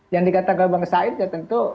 yang dikatakan bang said ya tentu